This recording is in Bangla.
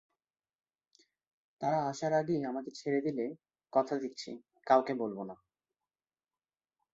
তারা আসার আগেই আমাকে ছেড়ে দিলে, কথা দিচ্ছি কাউকে বলবো না।